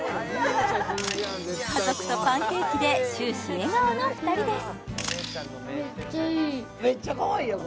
家族とパンケーキで終始笑顔の２人です